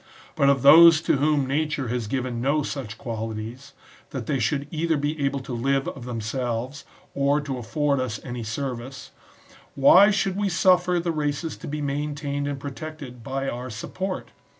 But of those to whom nature has given no such qualities, that they should either be able to live of themselves, or to afford us any service, why should we suffer the races to be maintained and protected by our sup port